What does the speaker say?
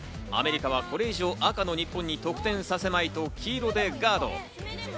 アメリカはこれ以上、赤の日本に得点させまいと黄色でガード。